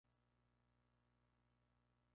Programa orientado hacia los jóvenes.